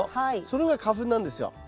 それが花粉なんですよ。